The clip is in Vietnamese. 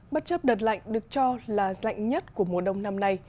bất chấp đợt lạnh được cho là lạnh nhất của mùa đông năm nay